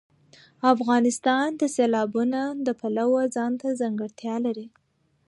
افغانستان د سیلابونه د پلوه ځانته ځانګړتیا لري.